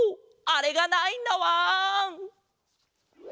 あれがないんだわん！